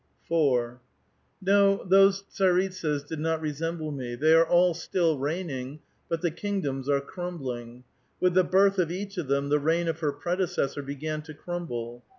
4. " No, those tsaritsas did not resemble me. Thev are all still reigning, but the kingdoms are crumbling. With the birth of each of them the rc ign of her predecessor began to crumble.